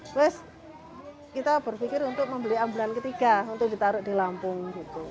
terus kita berpikir untuk membeli ambulan ketiga untuk ditaruh di lampung gitu